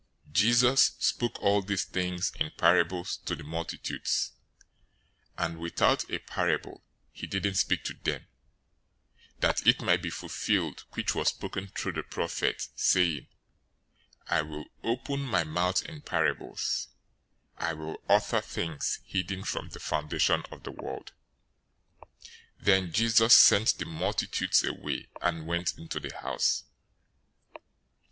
013:034 Jesus spoke all these things in parables to the multitudes; and without a parable, he didn't speak to them, 013:035 that it might be fulfilled which was spoken through the prophet, saying, "I will open my mouth in parables; I will utter things hidden from the foundation of the world."{Psalm 78:2} 013:036 Then Jesus sent the multitudes away, and went into the house.